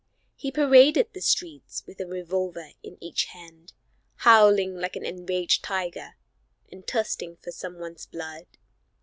He paraded the streets with a revolver in each hand, howling like an enraged tiger, and thirsting for some one's blood.